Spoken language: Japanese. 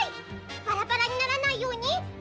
バラバラにならないようにほら！